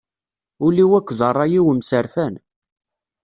Ul-iw akked ṛṛay-iw mserfan.